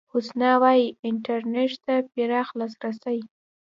حسنه وايي، انټرنېټ ته پراخ لاسرسي